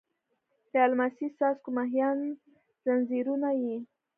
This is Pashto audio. د الماسې څاڅکو مهین ځنځیرونه یې